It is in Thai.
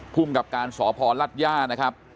ภูมิกับการสพรัฐย่านะครับ